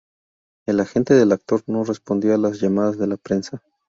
El agente del actor no respondió a las llamadas de la prensa.